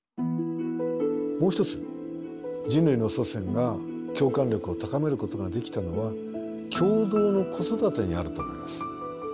もう一つ人類の祖先が共感力を高めることができたのは共同の子育てにあると思います。